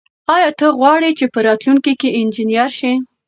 آیا ته غواړې چې په راتلونکي کې انجنیر شې؟